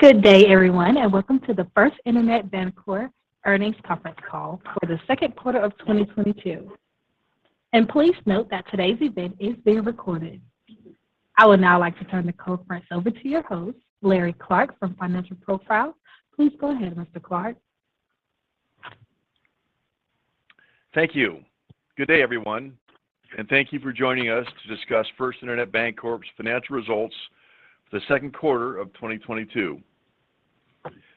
Good day, everyone, and welcome to the First Internet Bancorp Earnings Conference Call for the second quarter of 2022. Please note that today's event is being recorded. I would now like to turn the conference over to your host, Larry Clark from Financial Profiles. Please go ahead, Mr. Clark. Thank you. Good day, everyone, and thank you for joining us to discuss First Internet Bancorp's financial results for the second quarter of 2022.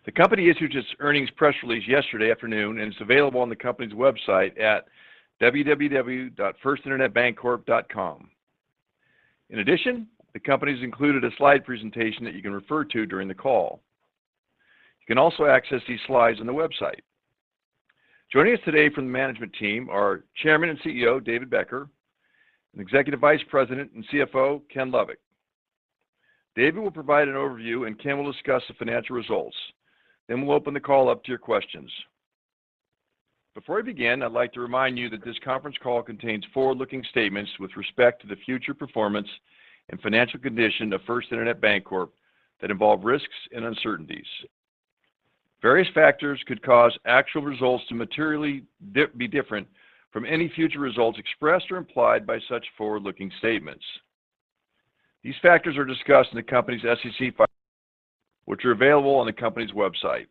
The company issued its earnings press release yesterday afternoon, and it's available on the company's website at www.firstinternetbancorp.com. In addition, the company has included a slide presentation that you can refer to during the call. You can also access these slides on the website. Joining us today from the management team are Chairman and CEO, David Becker, and Executive Vice President and CFO, Kenneth Lovik. David will provide an overview, and Ken will discuss the financial results. Then we'll open the call up to your questions. Before we begin, I'd like to remind you that this conference call contains forward-looking statements with respect to the future performance and financial condition of First Internet Bancorp that involve risks and uncertainties. Various factors could cause actual results to materially be different from any future results expressed or implied by such forward-looking statements. These factors are discussed in the company's SEC filings, which are available on the company's website.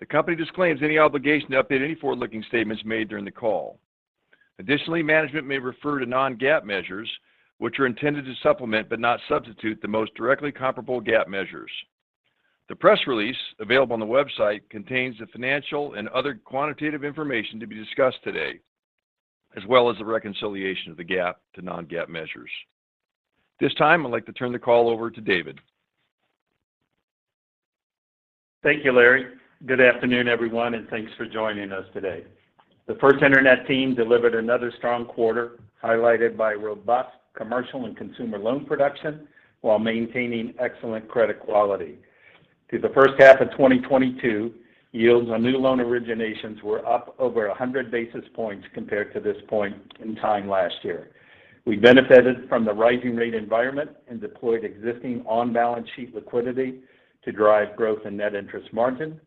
The company disclaims any obligation to update any forward-looking statements made during the call. Additionally, management may refer to non-GAAP measures, which are intended to supplement, but not substitute, the most directly comparable GAAP measures. The press release available on the website contains the financial and other quantitative information to be discussed today, as well as the reconciliation of the GAAP to non-GAAP measures. This time, I'd like to turn the call over to David. Thank you, Larry. Good afternoon, everyone, and thanks for joining us today. The First Internet team delivered another strong quarter, highlighted by robust commercial and consumer loan production while maintaining excellent credit quality. Through the first half of 2022, yields on new loan originations were up over 100 basis points compared to this point in time last year. We benefited from the rising rate environment and deployed existing on-balance sheet liquidity to drive growth in net interest margin.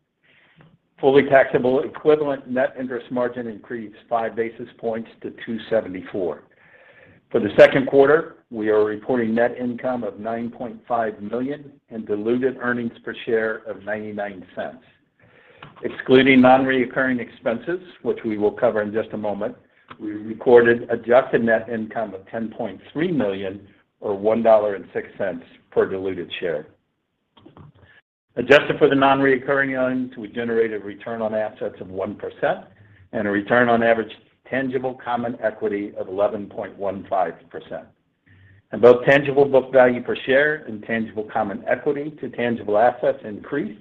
Fully taxable equivalent net interest margin increased 5 basis points to 2.74. For the second quarter, we are reporting net income of $9.5 million and diluted earnings per share of $0.99. Excluding non-recurring expenses, which we will cover in just a moment, we recorded adjusted net income of $10.3 million or $1.06 per diluted share. Adjusted for the non-recurring items, we generated return on assets of 1% and a return on average tangible common equity of 11.15%. Both tangible book value per share and tangible common equity to tangible assets increased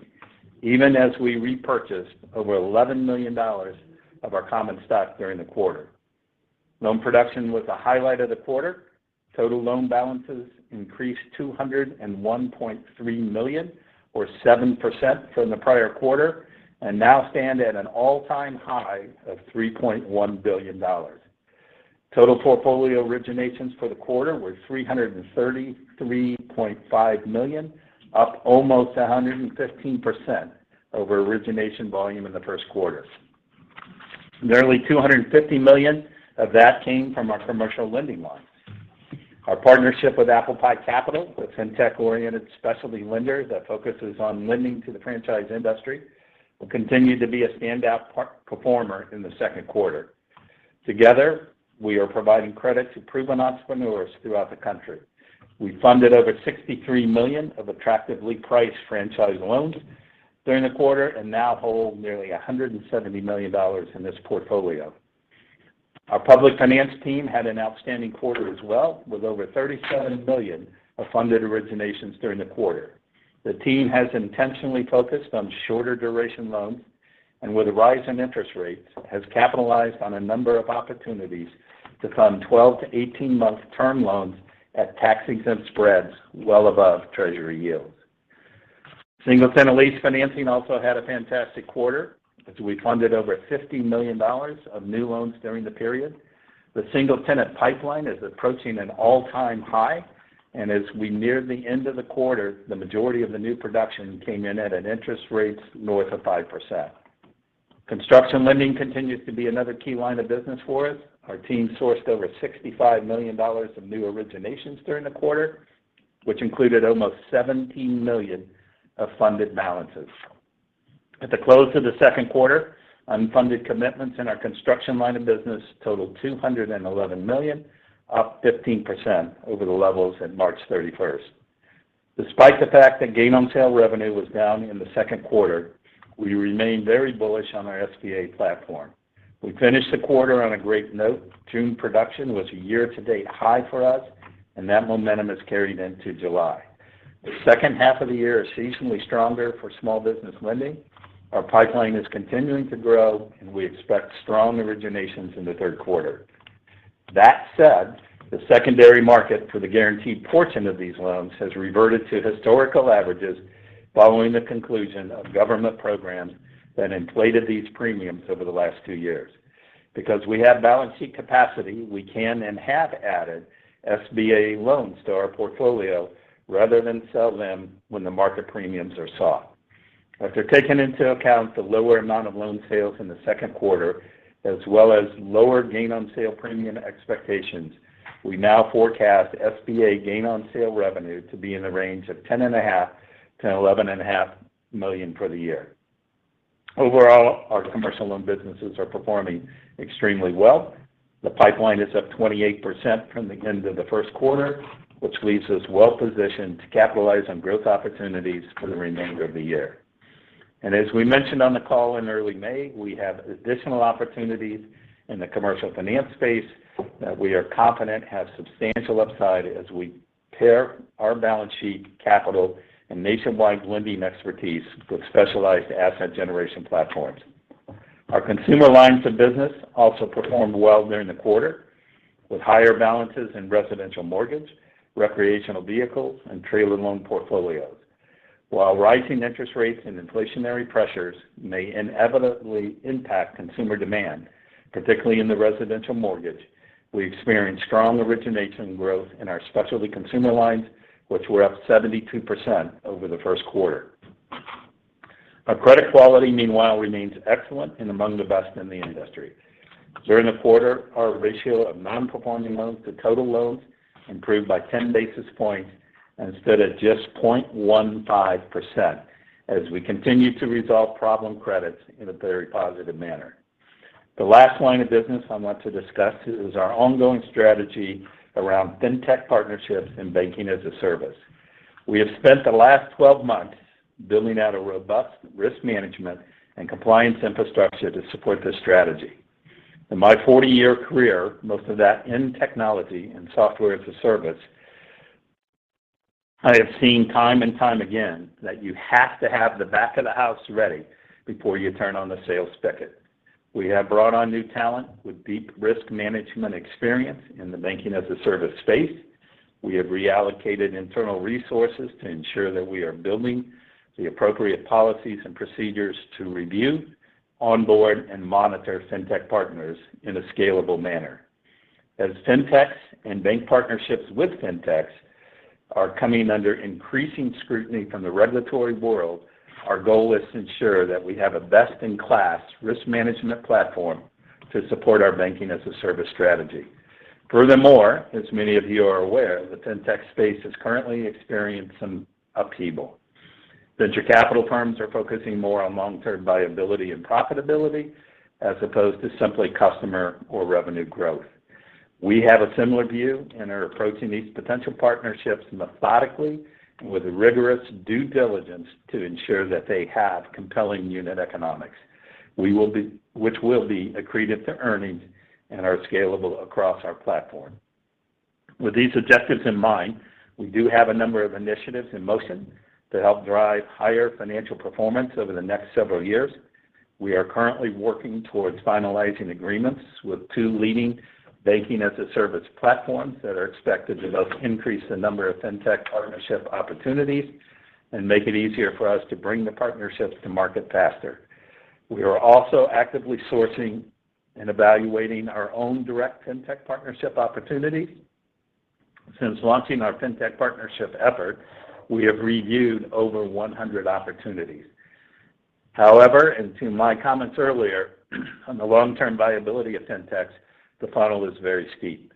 even as we repurchased over $11 million of our common stock during the quarter. Loan production was the highlight of the quarter. Total loan balances increased $201.3 million or 7% from the prior quarter and now stand at an all-time high of $3.1 billion. Total portfolio originations for the quarter were $333.5 million, up almost 115% over origination volume in the first quarter. Nearly $250 million of that came from our commercial lending lines. Our partnership with ApplePie Capital, a fintech-oriented specialty lender that focuses on lending to the franchise industry, will continue to be a standout performer in the second quarter. Together, we are providing credit to proven entrepreneurs throughout the country. We funded over $63 million of attractively priced franchise loans during the quarter and now hold nearly $170 million in this portfolio. Our public finance team had an outstanding quarter as well, with over $37 million of funded originations during the quarter. The team has intentionally focused on shorter duration loans and with the rise in interest rates, has capitalized on a number of opportunities to fund 12-18-month term loans at tax-exempt spreads well above treasury yields. Single tenant lease financing also had a fantastic quarter as we funded over $50 million of new loans during the period. The single tenant pipeline is approaching an all-time high, and as we neared the end of the quarter, the majority of the new production came in at an interest rates north of 5%. Construction lending continues to be another key line of business for us. Our team sourced over $65 million of new originations during the quarter, which included almost $17 million of funded balances. At the close of the second quarter, unfunded commitments in our construction line of business totaled $211 million, up 15% over the levels at March 31. Despite the fact that gain on sale revenue was down in the second quarter, we remain very bullish on our SBA platform. We finished the quarter on a great note. June production was a year-to-date high for us, and that momentum has carried into July. The second half of the year is seasonally stronger for small business lending. Our pipeline is continuing to grow, and we expect strong originations in the third quarter. That said, the secondary market for the guaranteed portion of these loans has reverted to historical averages following the conclusion of government programs that inflated these premiums over the last two years. Because we have balance sheet capacity, we can and have added SBA loans to our portfolio rather than sell them when the market premiums are soft. After taking into account the lower amount of loan sales in the second quarter as well as lower gain on sale premium expectations, we now forecast SBA gain on sale revenue to be in the range of $10.5-$11.5 million for the year. Overall, our commercial loan businesses are performing extremely well. The pipeline is up 28% from the end of the first quarter, which leaves us well positioned to capitalize on growth opportunities for the remainder of the year. As we mentioned on the call in early May, we have additional opportunities in the commercial finance space that we are confident have substantial upside as we pair our balance sheet capital and nationwide lending expertise with specialized asset generation platforms. Our consumer lines of business also performed well during the quarter, with higher balances in residential mortgage, recreational vehicles, and trailer loan portfolios. While rising interest rates and inflationary pressures may inevitably impact consumer demand, particularly in the residential mortgage, we experienced strong origination growth in our specialty consumer lines, which were up 72% over the first quarter. Our credit quality, meanwhile, remains excellent and among the best in the industry. During the quarter, our ratio of non-performing loans to total loans improved by 10 basis points and stood at just 0.15% as we continue to resolve problem credits in a very positive manner. The last line of business I want to discuss is our ongoing strategy around Fintech partnerships and banking-as-a-service. We have spent the last 12 months building out a robust risk management and compliance infrastructure to support this strategy. In my 40-year career, most of that in technology and software-as-a-service, I have seen time and time again that you have to have the back of the house ready before you turn on the sales spigot. We have brought on new talent with deep risk management experience in the banking-as-a-service space. We have reallocated internal resources to ensure that we are building the appropriate policies and procedures to review, onboard, and monitor Fintech partners in a scalable manner. As Fintechs and bank partnerships with Fintechs are coming under increasing scrutiny from the regulatory world, our goal is to ensure that we have a best-in-class risk management platform to support our banking-as-a-service strategy. Furthermore, as many of you are aware, the Fintech space has currently experienced some upheaval. Venture capital firms are focusing more on long-term viability and profitability as opposed to simply customer or revenue growth. We have a similar view and are approaching these potential partnerships methodically and with rigorous due diligence to ensure that they have compelling unit economics which will be accretive to earnings and are scalable across our platform. With these objectives in mind, we do have a number of initiatives in motion to help drive higher financial performance over the next several years. We are currently working towards finalizing agreements with two leading banking-as-a-service platforms that are expected to both increase the number of Fintech partnership opportunities and make it easier for us to bring the partnerships to market faster. We are also actively sourcing and evaluating our own direct Fintech partnership opportunities. Since launching our Fintech partnership effort, we have reviewed over 100 opportunities. However, and to my comments earlier on the long-term viability of Fintechs, the funnel is very steep.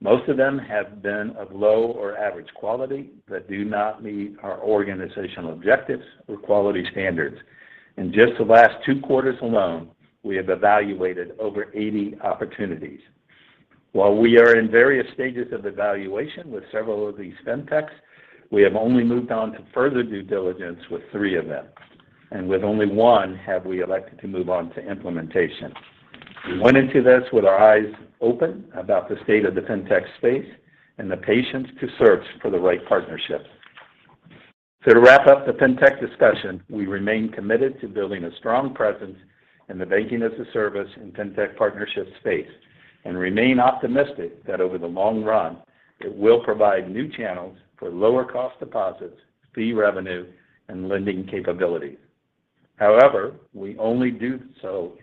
Most of them have been of low or average quality that do not meet our organizational objectives or quality standards. In just the last two quarters alone, we have evaluated over 80 opportunities. While we are in various stages of evaluation with several of these Fintechs, we have only moved on to further due diligence with three of them, and with only one have we elected to move on to implementation. We went into this with our eyes open about the state of the Fintech space and the patience to search for the right partnerships. To wrap up the Fintech discussion, we remain committed to building a strong presence in the banking-as-a-service and Fintech partnership space and remain optimistic that over the long run, it will provide new channels for lower cost deposits, fee revenue, and lending capabilities. However, we only do so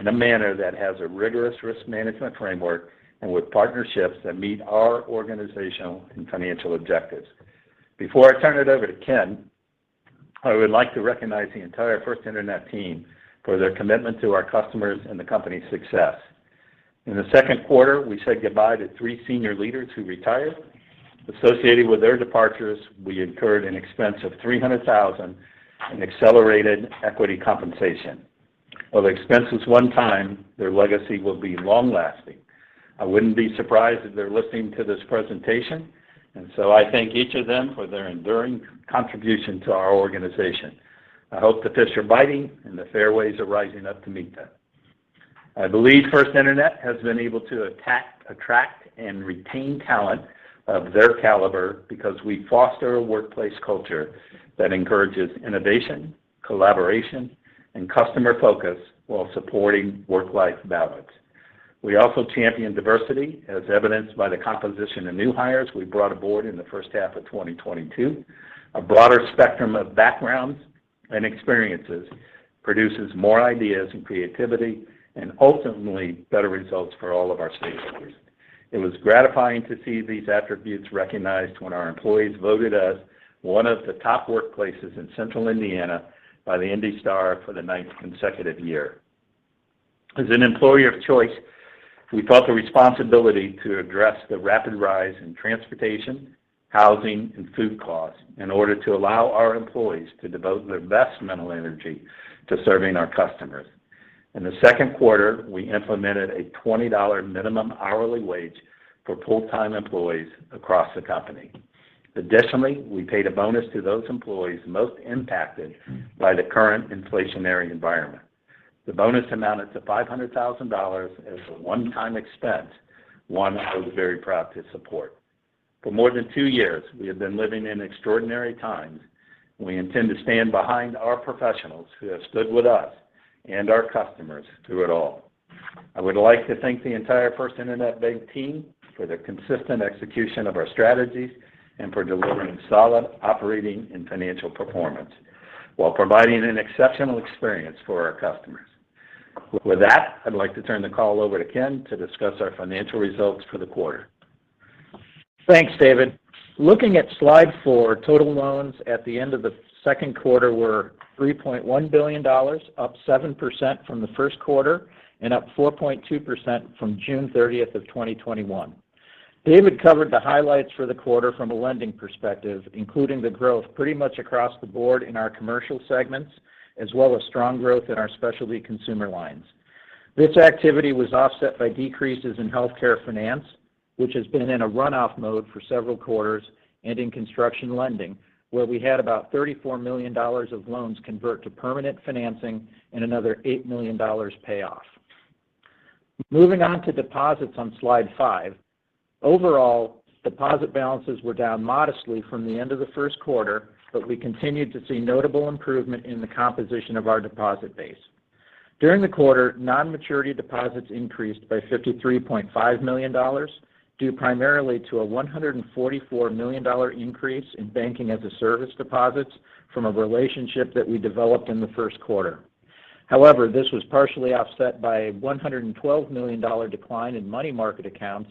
in a manner that has a rigorous risk management framework and with partnerships that meet our organizational and financial objectives. Before I turn it over to Ken, I would like to recognize the entire First Internet team for their commitment to our customers and the company's success. In the second quarter, we said goodbye to three senior leaders who retired. Associated with their departures, we incurred an expense of $300,000 in accelerated equity compensation. While the expense is one time, their legacy will be long-lasting. I wouldn't be surprised if they're listening to this presentation, and so I thank each of them for their enduring contribution to our organization. I hope the fish are biting and the fairways are rising up to meet them. I believe First Internet has been able to attract and retain talent of their caliber because we foster a workplace culture that encourages innovation, collaboration, and customer focus while supporting work-life balance. We also champion diversity, as evidenced by the composition of new hires we brought aboard in the first half of 2022. A broader spectrum of backgrounds and experiences produces more ideas and creativity and ultimately better results for all of our stakeholders. It was gratifying to see these attributes recognized when our employees voted us one of the top workplaces in central Indiana by the IndyStar for the ninth consecutive year. As an employer of choice, we felt the responsibility to address the rapid rise in transportation, housing, and food costs in order to allow our employees to devote their best mental energy to serving our customers. In the second quarter, we implemented a $20 minimum hourly wage for full-time employees across the company. Additionally, we paid a bonus to those employees most impacted by the current inflationary environment. The bonus amounted to $500,000 as a one-time expense, one I was very proud to support. For more than two years, we have been living in extraordinary times. We intend to stand behind our professionals who have stood with us and our customers through it all. I would like to thank the entire First Internet Bank team for their consistent execution of our strategies and for delivering solid operating and financial performance while providing an exceptional experience for our customers. With that, I'd like to turn the call over to Ken to discuss our financial results for the quarter. Thanks, David. Looking at slide four, total loans at the end of the second quarter were $3.1 billion, up 7% from the first quarter and up 4.2% from June thirtieth of 2021. David covered the highlights for the quarter from a lending perspective, including the growth pretty much across the board in our commercial segments, as well as strong growth in our specialty consumer lines. This activity was offset by decreases in healthcare finance, which has been in a run-off mode for several quarters, and in construction lending, where we had about $34 million of loans convert to permanent financing and another $8 million pay off. Moving on to deposits on slide five. Overall, deposit balances were down modestly from the end of the first quarter, but we continued to see notable improvement in the composition of our deposit base. During the quarter, non-maturity deposits increased by $53.5 million due primarily to a $144 million increase in banking-as-a-service deposits from a relationship that we developed in the first quarter. However, this was partially offset by a $112 million decline in money market accounts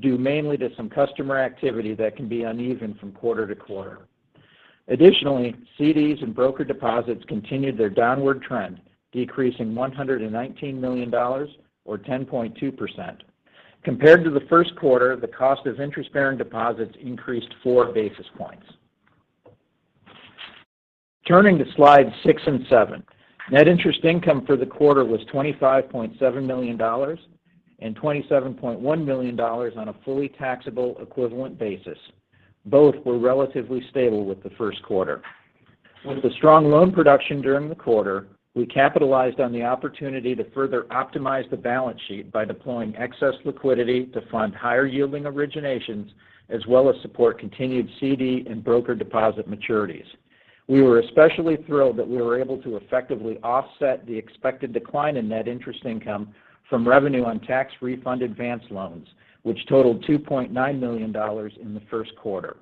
due mainly to some customer activity that can be uneven from quarter to quarter. Additionally, CDs and broker deposits continued their downward trend, decreasing $119 million or 10.2%. Compared to the first quarter, the cost of interest-bearing deposits increased four basis points. Turning to slides six and seven. Net interest income for the quarter was $25.7 million and $27.1 million on a fully taxable equivalent basis. Both were relatively stable with the first quarter. With the strong loan production during the quarter, we capitalized on the opportunity to further optimize the balance sheet by deploying excess liquidity to fund higher-yielding originations as well as support continued CD and broker deposit maturities. We were especially thrilled that we were able to effectively offset the expected decline in net interest income from revenue on tax refund advance loans, which totaled $2.9 million in the first quarter.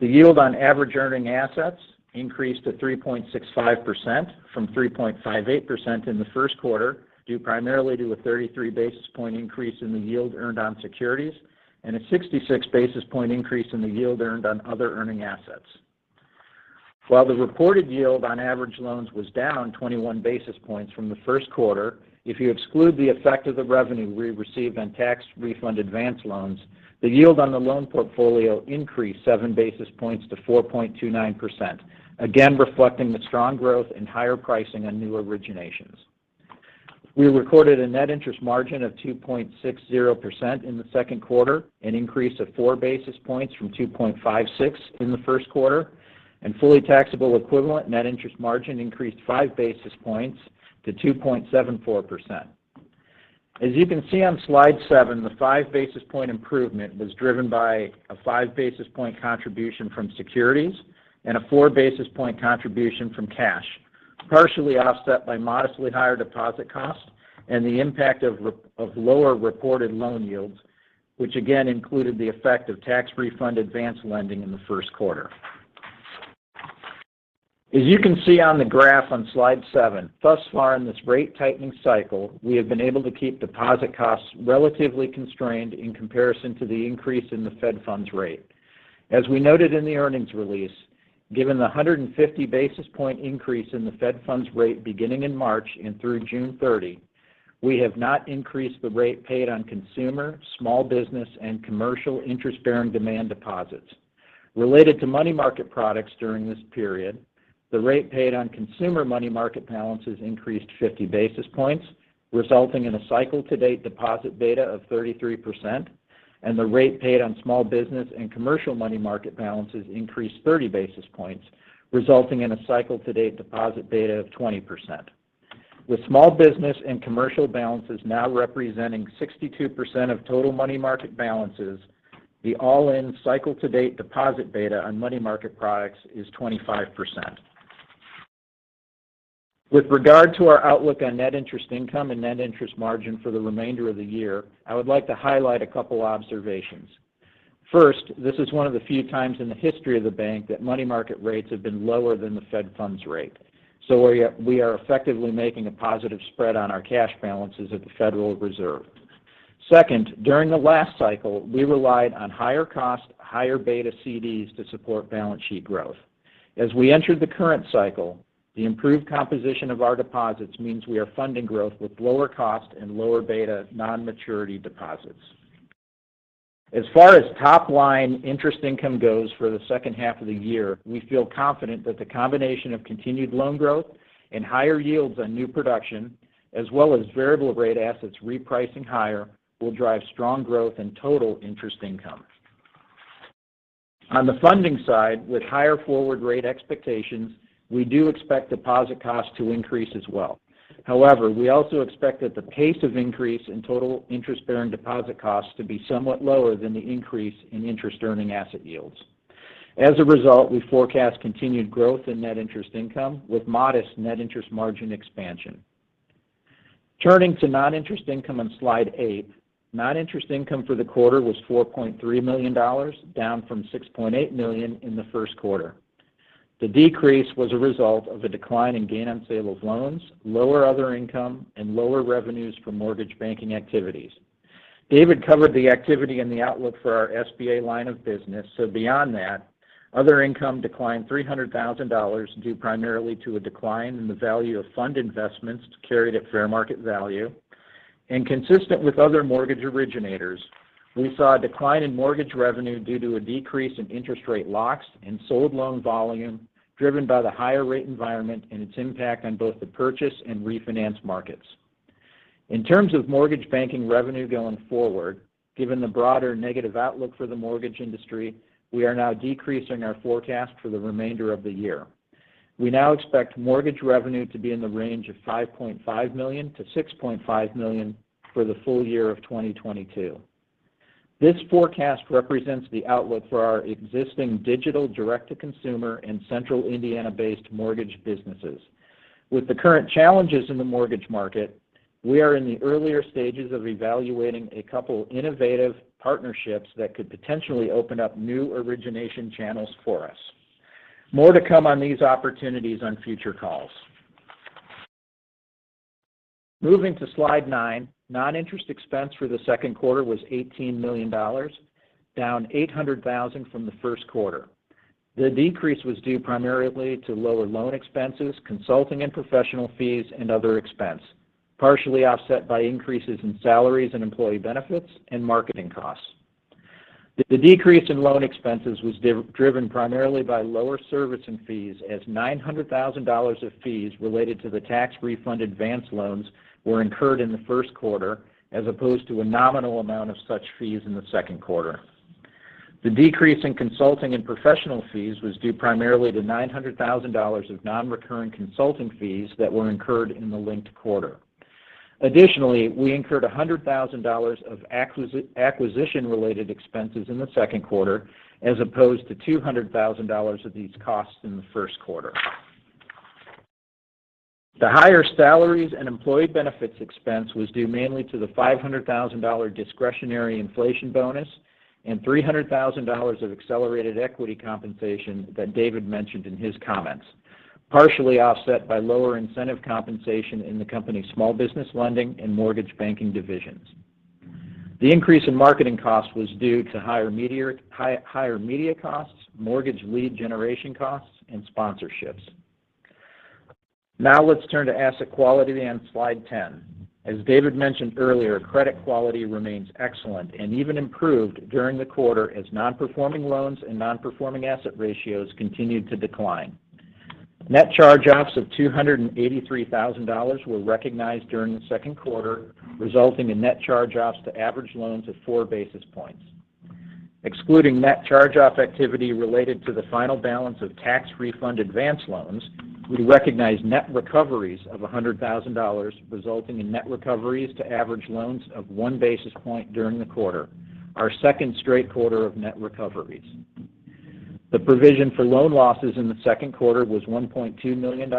The yield on average earning assets increased to 3.65% from 3.58% in the first quarter, due primarily to a 33 basis point increase in the yield earned on securities and a 66 basis point increase in the yield earned on other earning assets. While the reported yield on average loans was down 21 basis points from the first quarter, if you exclude the effect of the revenue we received on tax refund advance loans, the yield on the loan portfolio increased 7 basis points to 4.29%. Again, reflecting the strong growth and higher pricing on new originations. We recorded a net interest margin of 2.60% in the second quarter, an increase of 4 basis points from 2.56 in the first quarter, and fully taxable equivalent net interest margin increased 5 basis points to 2.74%. As you can see on slide seven, the 5 basis point improvement was driven by a 5 basis point contribution from securities and a 4 basis point contribution from cash, partially offset by modestly higher deposit costs and the impact of lower reported loan yields, which again included the effect of tax refund advance lending in the first quarter. As you can see on the graph on slide seven, thus far in this rate tightening cycle, we have been able to keep deposit costs relatively constrained in comparison to the increase in the Fed funds rate. As we noted in the earnings release, given the 150 basis point increase in the Fed funds rate beginning in March and through June 30, we have not increased the rate paid on consumer, small business, and commercial interest-bearing demand deposits. Related to money market products during this period, the rate paid on consumer money market balances increased 50 basis points, resulting in a cycle-to-date deposit beta of 33%, and the rate paid on small business and commercial money market balances increased 30 basis points, resulting in a cycle-to-date deposit beta of 20%. With small business and commercial balances now representing 62% of total money market balances, the all-in cycle-to-date deposit beta on money market products is 25%. With regard to our outlook on net interest income and net interest margin for the remainder of the year, I would like to highlight a couple observations. First, this is one of the few times in the history of the bank that money market rates have been lower than the Fed funds rate. We are effectively making a positive spread on our cash balances at the Federal Reserve. Second, during the last cycle, we relied on higher cost, higher beta CDs to support balance sheet growth. As we entered the current cycle, the improved composition of our deposits means we are funding growth with lower cost and lower beta non-maturity deposits. As far as top line interest income goes for the second half of the year, we feel confident that the combination of continued loan growth and higher yields on new production, as well as variable rate assets repricing higher, will drive strong growth in total interest income. On the funding side, with higher forward rate expectations, we do expect deposit costs to increase as well. However, we also expect that the pace of increase in total interest-bearing deposit costs to be somewhat lower than the increase in interest earning asset yields. As a result, we forecast continued growth in net interest income with modest net interest margin expansion. Turning to non-interest income on slide 8. Non-interest income for the quarter was $4.3 million, down from $6.8 million in the first quarter. The decrease was a result of a decline in gain on sale of loans, lower other income, and lower revenues from mortgage banking activities. David covered the activity and the outlook for our SBA line of business, so beyond that, other income declined $300,000 due primarily to a decline in the value of fund investments carried at fair market value. Consistent with other mortgage originators, we saw a decline in mortgage revenue due to a decrease in interest rate locks and sold loan volume driven by the higher rate environment and its impact on both the purchase and refinance markets. In terms of mortgage banking revenue going forward, given the broader negative outlook for the mortgage industry, we are now decreasing our forecast for the remainder of the year. We now expect mortgage revenue to be in the range of $5.5 million-$6.5 million for the full year of 2022. This forecast represents the outlook for our existing digital direct to consumer and central Indiana-based mortgage businesses. With the current challenges in the mortgage market, we are in the earlier stages of evaluating a couple innovative partnerships that could potentially open up new origination channels for us. More to come on these opportunities on future calls. Moving to slide 9. Non-interest expense for the second quarter was $18 million, down $800,000 from the first quarter. The decrease was due primarily to lower loan expenses, consulting and professional fees, and other expense, partially offset by increases in salaries and employee benefits and marketing costs. The decrease in loan expenses was driven primarily by lower servicing fees as $900,000 of fees related to the tax refund advance loans were incurred in the first quarter as opposed to a nominal amount of such fees in the second quarter. The decrease in consulting and professional fees was due primarily to $900,000 of non-recurring consulting fees that were incurred in the linked quarter. Additionally, we incurred $100,000 of acquisition-related expenses in the second quarter as opposed to $200,000 of these costs in the first quarter. The higher salaries and employee benefits expense was due mainly to the $500,000 discretionary inflation bonus and $300,000 of accelerated equity compensation that David mentioned in his comments, partially offset by lower incentive compensation in the company's small business lending and mortgage banking divisions. The increase in marketing costs was due to higher media costs, mortgage lead generation costs, and sponsorships. Now let's turn to asset quality on slide 10. As David mentioned earlier, credit quality remains excellent and even improved during the quarter as non-performing loans and non-performing asset ratios continued to decline. Net charge-offs of $283,000 were recognized during the second quarter, resulting in net charge-offs to average loans of 4 basis points. Excluding net charge-off activity related to the final balance of tax refund advance loans, we recognized net recoveries of $100 thousand, resulting in net recoveries to average loans of 1 basis point during the quarter, our second straight quarter of net recoveries. The provision for loan losses in the second quarter was $1.2 million,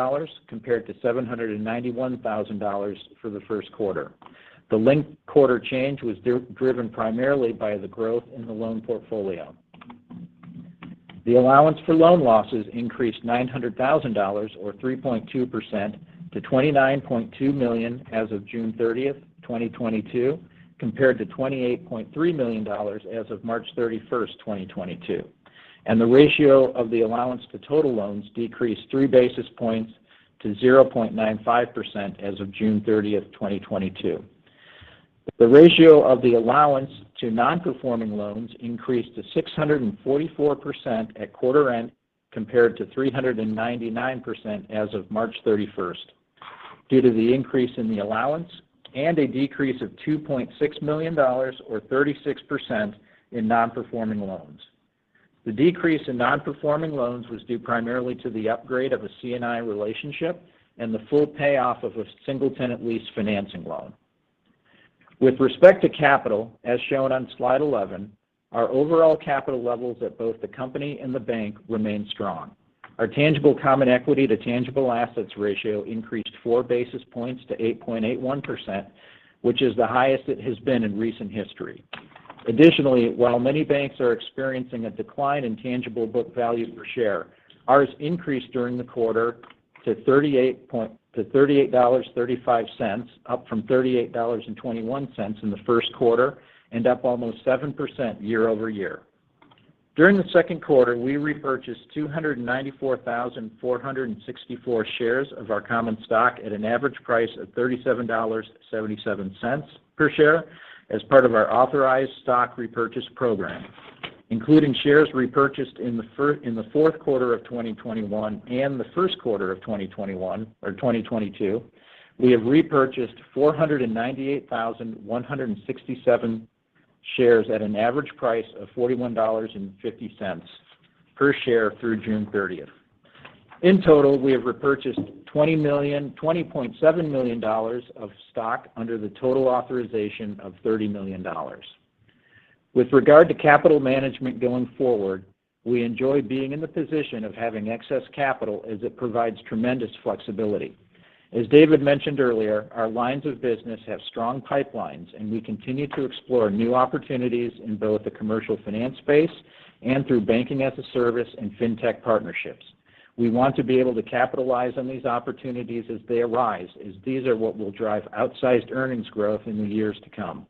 compared to $791,000 for the first quarter. The linked-quarter change was driven primarily by the growth in the loan portfolio. The allowance for loan losses increased $900,000 or 3.2% to $29.2 million as of June 30, 2022, compared to $28.3 million as of March 31, 2022. The ratio of the allowance to total loans decreased 3 basis points to 0.95% as of June 30, 2022. The ratio of the allowance to non-performing loans increased to 644% at quarter end compared to 399% as of March 31 due to the increase in the allowance and a decrease of $2.6 million or 36% in non-performing loans. The decrease in non-performing loans was due primarily to the upgrade of a C&I relationship and the full payoff of a single tenant lease financing loan. With respect to capital, as shown on slide 11, our overall capital levels at both the company and the bank remain strong. Our tangible common equity to tangible assets ratio increased 4 basis points to 8.81%, which is the highest it has been in recent history. Additionally, while many banks are experiencing a decline in tangible book value per share, ours increased during the quarter to $38.35, up from $38.21 in the first quarter and up almost 7% year-over-year. During the second quarter, we repurchased 294,464 shares of our common stock at an average price of $37.77 per share as part of our authorized stock repurchase program. Including shares repurchased in the fourth quarter of 2021 and the first quarter of 2022, we have repurchased 498,167 shares at an average price of $41.50 per share through June thirtieth. In total, we have repurchased $20.7 million of stock under the total authorization of $30 million. With regard to capital management going forward, we enjoy being in the position of having excess capital as it provides tremendous flexibility. As David mentioned earlier, our lines of business have strong pipelines, and we continue to explore new opportunities in both the commercial finance space and through banking-as-a-service and fintech partnerships. We want to be able to capitalize on these opportunities as they arise, as these are what will drive outsized earnings growth in the years to come.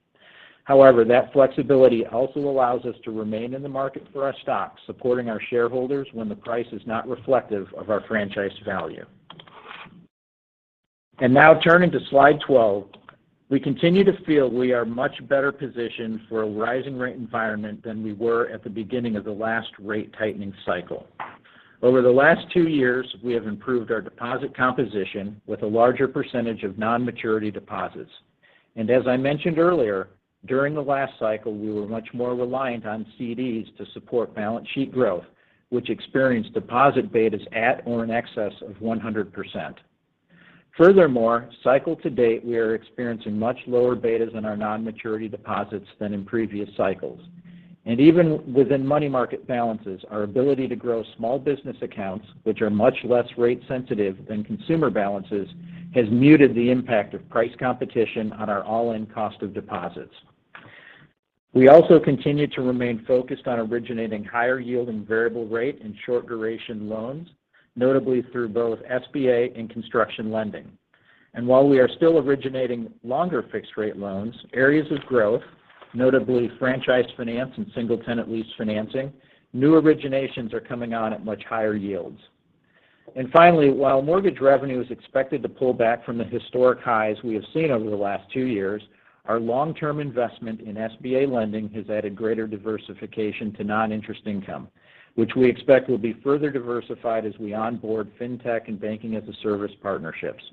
However, that flexibility also allows us to remain in the market for our stock, supporting our shareholders when the price is not reflective of our franchise value. Now turning to slide 12. We continue to feel we are much better positioned for a rising rate environment than we were at the beginning of the last rate tightening cycle. Over the last two years, we have improved our deposit composition with a larger percentage of non-maturity deposits. As I mentioned earlier, during the last cycle, we were much more reliant on CDs to support balance sheet growth, which experienced deposit betas at or in excess of 100%. Furthermore, cycle to date, we are experiencing much lower betas in our non-maturity deposits than in previous cycles. Even within money market balances, our ability to grow small business accounts, which are much less rate sensitive than consumer balances, has muted the impact of price competition on our all-in cost of deposits. We also continue to remain focused on originating higher-yielding variable rate and short-duration loans, notably through both SBA and construction lending. While we are still originating longer fixed-rate loans, areas of growth, notably franchise finance and single-tenant lease financing, new originations are coming on at much higher yields. Finally, while mortgage revenue is expected to pull back from the historic highs we have seen over the last two years, our long-term investment in SBA lending has added greater diversification to non-interest income, which we expect will be further diversified as we onboard fintech and banking-as-a-service partnerships,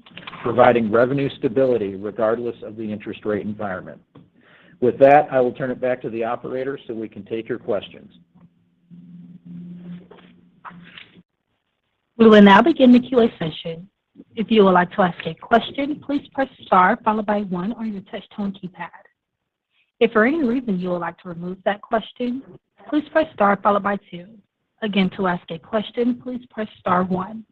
providing revenue stability regardless of the interest rate environment. With that, I will turn it back to the operator so we can take your questions. We will now begin the QA session. If you would like to ask a question, please press star followed by one on your touch tone keypad. If for any reason you would like to remove that question, please press star followed by two. Again, to ask a question, please press star one.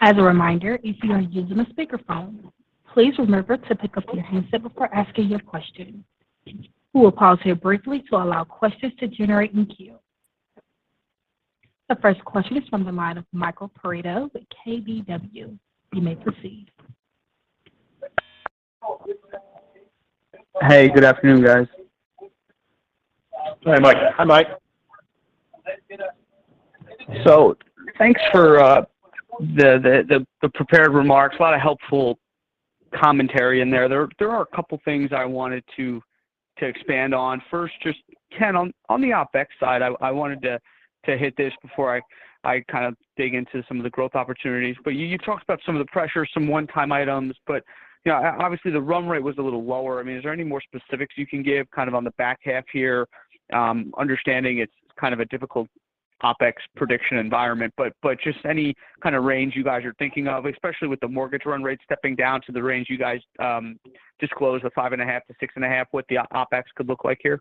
As a reminder, if you are using a speakerphone, please remember to pick up your handset before asking your question. We will pause here briefly to allow questions to generate in queue. The first question is from the line of Michael Perito with KBW. You may proceed. Hey, good afternoon, guys. Hi, Mike. Hi, Mike. Thanks for the prepared remarks. A lot of helpful commentary in there. There are a couple things I wanted to expand on. First, just Ken, on the OpEx side, I wanted to hit this before I kind of dig into some of the growth opportunities. You talked about some of the pressure, some one-time items, but you know, obviously the run rate was a little lower. I mean, is there any more specifics you can give kind of on the back half here? Understanding it's kind of a difficult OpEx prediction environment, but just any kind of range you guys are thinking of, especially with the mortgage run rate stepping down to the range you guys disclosed of 5.5-6.5, what the OpEx could look like here?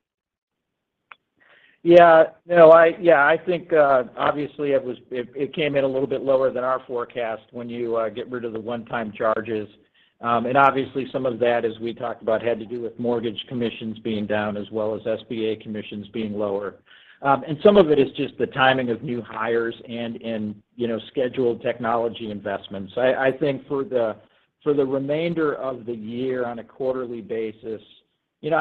Yeah. No, yeah, I think obviously it came in a little bit lower than our forecast when you get rid of the one-time charges. Obviously some of that, as we talked about, had to do with mortgage commissions being down as well as SBA commissions being lower. Some of it is just the timing of new hires and, you know, scheduled technology investments. I think for the remainder of the year on a quarterly basis, you know,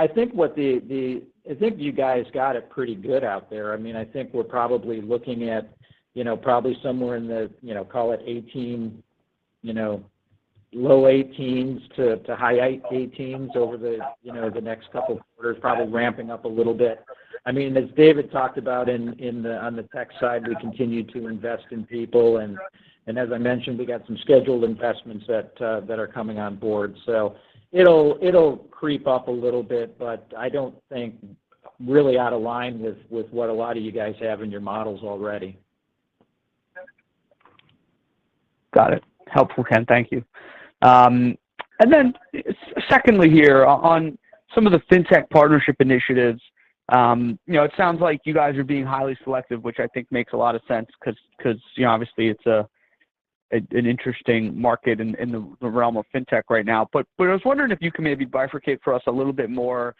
I think you guys got it pretty good out there. I mean, I think we're probably looking at, you know, probably somewhere in the, you know, call it 18, you know, low 18s-high 18s over the, you know, the next couple of quarters, probably ramping up a little bit. I mean, as David talked about on the tech side, we continue to invest in people and as I mentioned, we got some scheduled investments that are coming on board. It'll creep up a little bit, but I don't think really out of line with what a lot of you guys have in your models already. Got it. Helpful, Ken. Thank you. And then secondly here on some of the fintech partnership initiatives, you know, it sounds like you guys are being highly selective, which I think makes a lot of sense because, you know, obviously it's an interesting market in the realm of fintech right now. But I was wondering if you could maybe bifurcate for us a little bit more,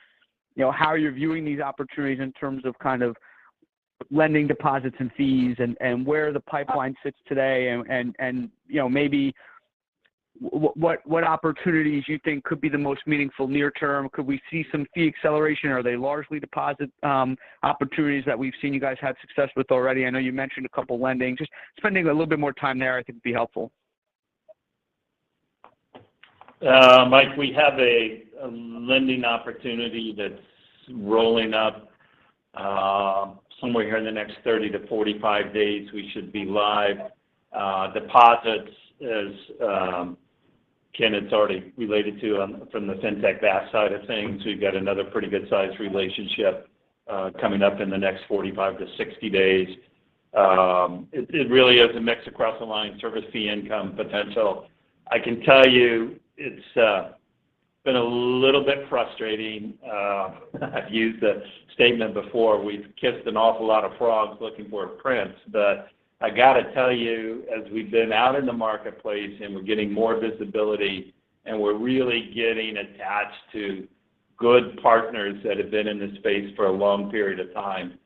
you know, how you're viewing these opportunities in terms of kind of lending deposits and fees and, you know, maybe what opportunities you think could be the most meaningful near term. Could we see some fee acceleration? Are they largely deposit opportunities that we've seen you guys have success with already? I know you mentioned a couple lendings. Just spending a little bit more time there I think would be helpful. Mike, we have a lending opportunity that's rolling up somewhere here in the next 30-45 days, we should be live. Deposits, as Ken has already related to from the fintech BAS side of things, we've got another pretty good size relationship coming up in the next 45-60 days. It really is a mix across the line, service fee income potential. I can tell you it's been a little bit frustrating. I've used the statement before. We've kissed an awful lot of frogs looking for a prince. I got to tell you, as we've been out in the marketplace, and we're getting more visibility, and we're really getting attached to good partners that have been in this space for a long period of time,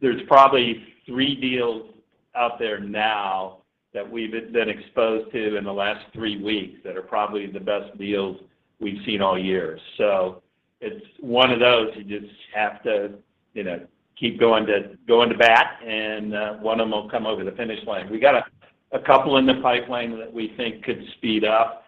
there's probably three deals out there now that we've been exposed to in the last three weeks that are probably the best deals we've seen all year. It's one of those, you just have to, you know, keep going to bat, and one of them will come over the finish line. We got a couple in the pipeline that we think could speed up.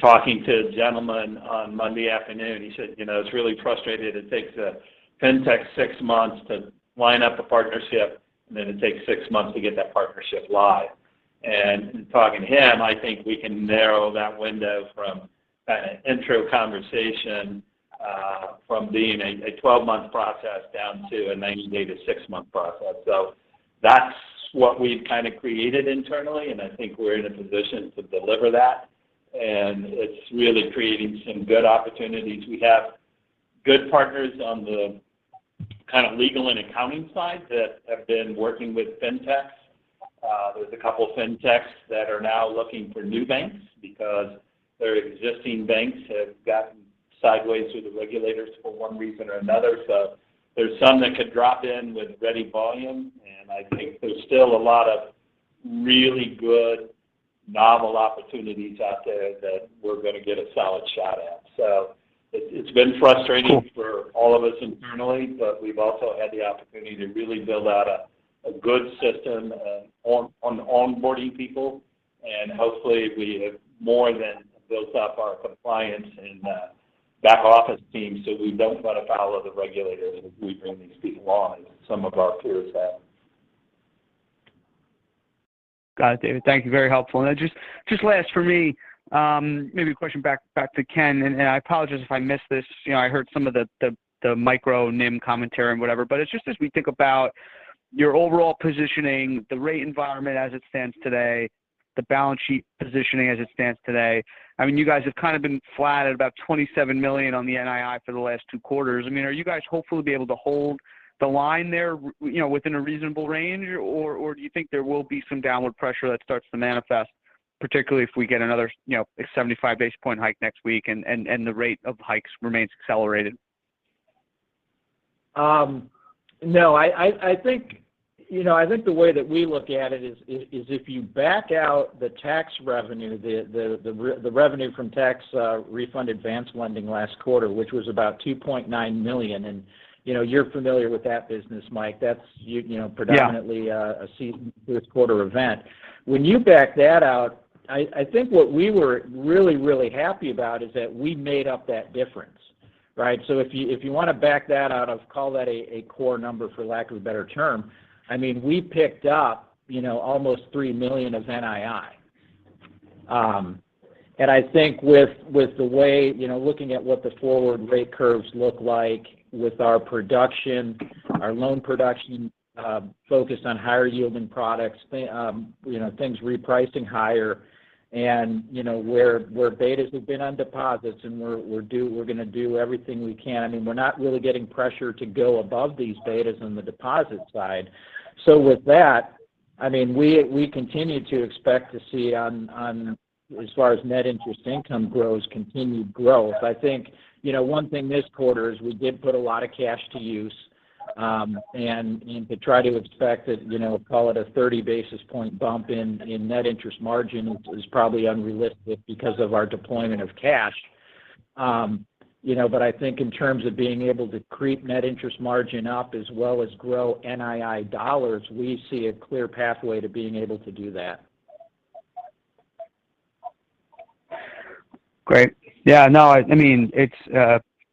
Talking to a gentleman on Monday afternoon, he said, "You know, it's really frustrating. It takes a fintech six months to line up a partnership, and then it takes six months to get that partnership live." In talking to him, I think we can narrow that window from an intro conversation, from being a 12-month process down to a 90-day to six-month process. That's what we've kind of created internally, and I think we're in a position to deliver that. It's really creating some good opportunities. We have good partners on the kind of legal and accounting side that have been working with fintechs. There's a couple of fintechs that are now looking for new banks because their existing banks have gotten sideways with the regulators for one reason or another. There's some that could drop in with ready volume, and I think there's still a lot of really good novel opportunities out there that we're going to get a solid shot at. It's been frustrating. Cool. For all of us internally, but we've also had the opportunity to really build out a good system on onboarding people. Hopefully, we have more than built up our compliance and back office team, so we don't run afoul of the regulators as we bring these people on, as some of our peers have. Got it, David. Thank you. Very helpful. Now just last for me, maybe a question back to Ken, and I apologize if I missed this. You know, I heard some of the macro NIM commentary and whatever. It's just as we think about your overall positioning, the rate environment as it stands today, the balance sheet positioning as it stands today, I mean, you guys have kind of been flat at about $27 million on the NII for the last two quarters. I mean, are you guys hopefully be able to hold the line there you know, within a reasonable range, or do you think there will be some downward pressure that starts to manifest, particularly if we get another, you know, a 75 basis points hike next week and the rate of hikes remains accelerated? No. I think, you know, I think the way that we look at it is if you back out the tax revenue, the revenue from tax refund advance lending last quarter, which was about $2.9 million, and, you know, you're familiar with that business, Mike. That's you know. Yeah. Predominantly a seasonal this quarter event. When you back that out, I think what we were really happy about is that we made up that difference, right? If you want to back that out, call that a core number for lack of a better term, I mean, we picked up, you know, almost $3 million of NII. I think with the way, you know, looking at what the forward rate curves look like with our production, our loan production, focused on higher yielding products, you know, things repricing higher, and, you know, we're betas we've been on deposits, and we're going to do everything we can. I mean, we're not really getting pressure to go above these betas on the deposit side. With that, I mean, we continue to expect to see on as far as net interest income grows, continued growth. I think, you know, one thing this quarter is we did put a lot of cash to use, and to try to expect that, you know, call it a 30 basis point bump in net interest margin is probably unrealistic because of our deployment of cash. You know, but I think in terms of being able to creep net interest margin up as well as grow NII dollars, we see a clear pathway to being able to do that. Great. Yeah, no, I mean, it's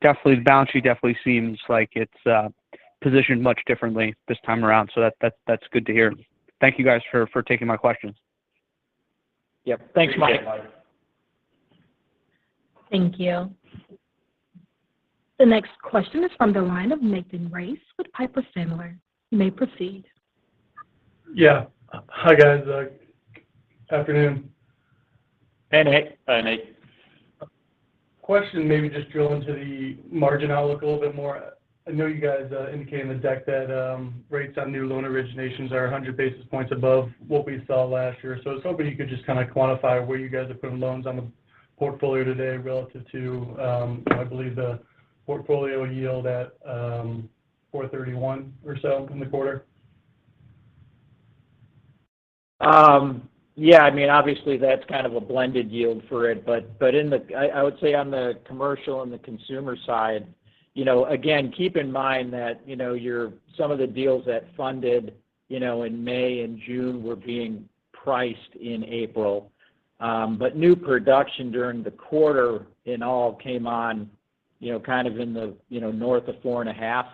definitely the balance sheet definitely seems like it's positioned much differently this time around, so that's good to hear. Thank you guys for taking my questions. Yep. Thanks, Mike. Thank you. The next question is from the line of Nathan Race with Piper Sandler. You may proceed. Yeah. Hi, guys. Afternoon. Hey, Nate. Hi, Nathan. Question: Maybe just drill into the margin outlook a little bit more. I know you guys indicated in the deck that rates on new loan originations are 100 basis points above what we saw last year. I was hoping you could just kind of quantify where you guys are putting loans on the portfolio today relative to I believe the portfolio yield at 4.31 or so in the quarter. Yeah, I mean, obviously that's kind of a blended yield for it. I would say on the commercial and the consumer side, you know, again, keep in mind that, you know, some of the deals that funded, you know, in May and June were being priced in April. New production during the quarter and all came on, you know, kind of in the, you know, north of 4.5.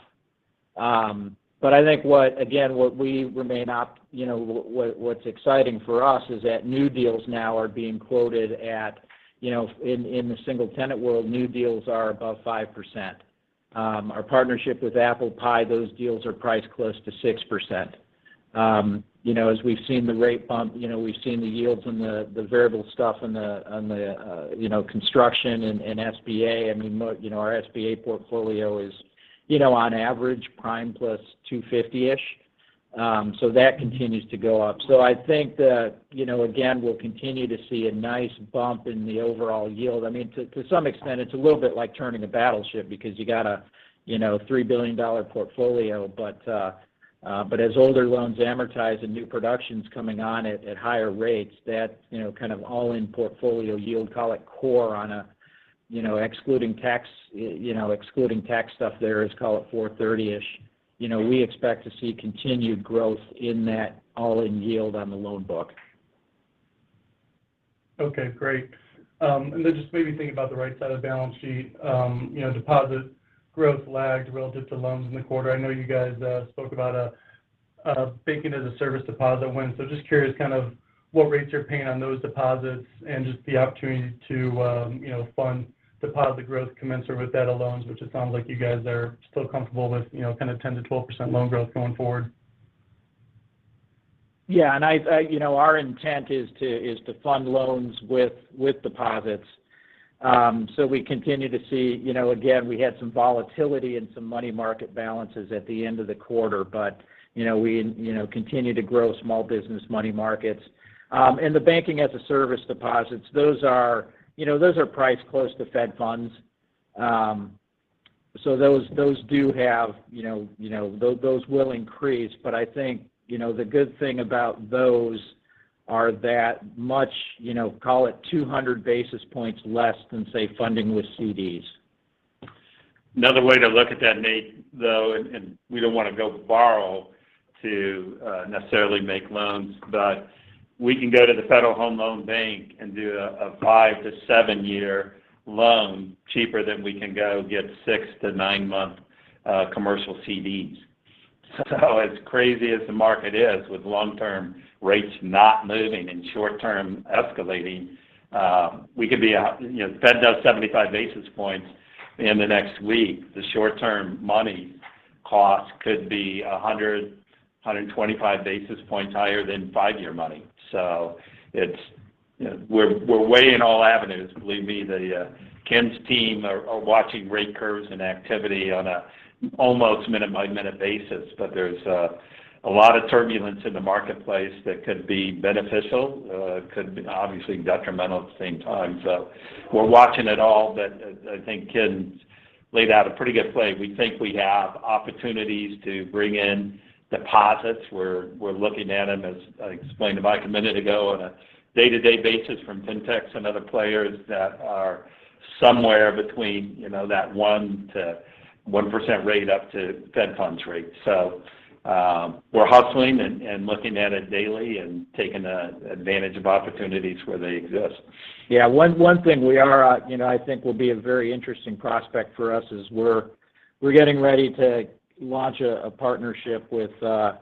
I think, again, what's exciting for us is that new deals now are being quoted at, you know, in the single tenant world, new deals are above 5%. Our partnership with ApplePie, those deals are priced close to 6%. You know, as we've seen the rate bump, you know, we've seen the yields and the variable stuff on the construction and SBA. I mean, you know, our SBA portfolio is, you know, on average prime plus 250-ish. That continues to go up. I think that, you know, again, we'll continue to see a nice bump in the overall yield. I mean, to some extent, it's a little bit like turning a battleship because you got a, you know, $3 billion portfolio. As older loans amortize and new production's coming on at higher rates, that, you know, kind of all-in portfolio yield, call it core on a, you know, excluding tax, you know, excluding tax stuff there is, call it 4.30%-ish. You know, we expect to see continued growth in that all-in yield on the loan book. Okay, great. Just maybe thinking about the right side of the balance sheet. You know, deposit growth lagged relative to loans in the quarter. I know you guys spoke about a banking-as-a-service deposit win. Just curious kind of what rates you're paying on those deposits and just the opportunity to, you know, fund deposit growth commensurate with that of loans, which it sounds like you guys are still comfortable with, you know, kind of 10%-12% loan growth going forward. Yeah. I you know, our intent is to fund loans with deposits. We continue to see, you know, again, we had some volatility and some money market balances at the end of the quarter. You know, we you know continue to grow small business money markets. The banking-as-a-service deposits, those are you know priced close to Fed funds. Those do have you know. Those will increase. I think, you know, the good thing about those are that much, you know, call it 200 basis points less than, say, funding with CDs. Another way to look at that, Nate, though and we don't wanna go borrow to necessarily make loans, but we can go to the Federal Home Loan Bank and do a five- to seven-year loan cheaper than we can go get six- to nine-month commercial CDs. As crazy as the market is with long-term rates not moving and short-term escalating, we could be, you know, Fed does 75 basis points in the next week. The short-term money cost could be 100-125 basis points higher than five-year money. It's, you know, we're weighing all avenues. Believe me, Ken's team are watching rate curves and activity on an almost minute-by-minute basis. There's a lot of turbulence in the marketplace that could be beneficial, could be obviously detrimental at the same time. We're watching it all. I think Ken's laid out a pretty good play. We think we have opportunities to bring in deposits. We're looking at them, as I explained to Mike a minute ago, on a day-to-day basis from fintechs and other players that are somewhere between, you know, that 1%-1% rate up to fed funds rate. We're hustling and looking at it daily and taking advantage of opportunities where they exist. Yeah. One thing we are, you know, I think will be a very interesting prospect for us is we're getting ready to launch a partnership with a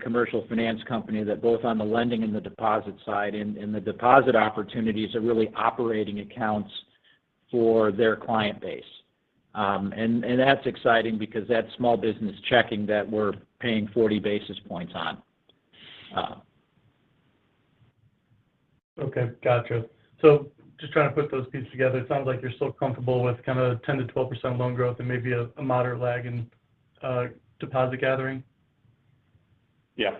commercial finance company that both on the lending and the deposit side. The deposit opportunities are really operating accounts for their client base. That's exciting because that's small business checking that we're paying 40 basis points on. Okay. Gotcha. Just trying to put those pieces together, it sounds like you're still comfortable with kind of 10%-12% loan growth and maybe a moderate lag in deposit gathering. Yeah.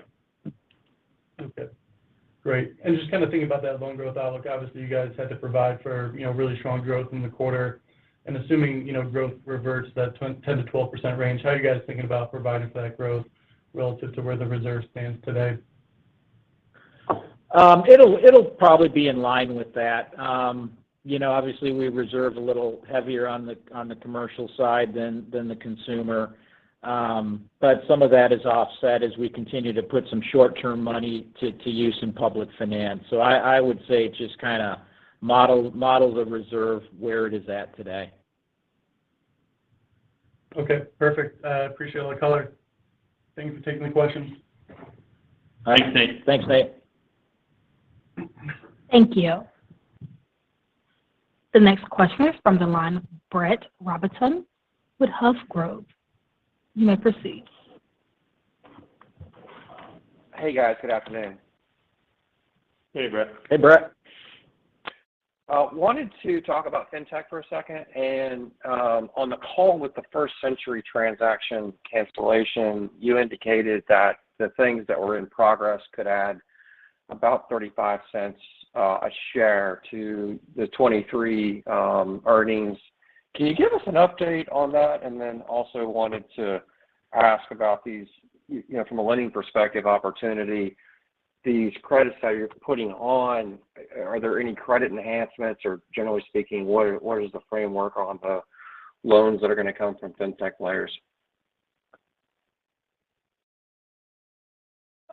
Okay. Great. Just kind of thinking about that loan growth outlook, obviously you guys had to provide for, you know, really strong growth in the quarter. Assuming, you know, growth reverts to that 10%-12% range, how are you guys thinking about providing for that growth relative to where the reserve stands today? It'll probably be in line with that. You know, obviously we reserve a little heavier on the commercial side than the consumer. But some of that is offset as we continue to put some short-term money to use in public finance. I would say just kinda model the reserve where it is at today. Okay, perfect. I appreciate all the color. Thanks for taking the questions. Thanks, Nate. Thank you. The next question is from the line of Brett Rabatin with Hovde Group. You may proceed. Hey, guys. Good afternoon. Hey, Brett. I wanted to talk about Fintech for a second. On the call with the First Century Bank transaction cancellation, you indicated that the things that were in progress could add about $0.35 a share to the 2023 earnings. Can you give us an update on that? Also wanted to ask about these, you know, from a lending perspective opportunity, these credits that you're putting on, are there any credit enhancements, or generally speaking, what is the framework on the loans that are going to come from Fintech players?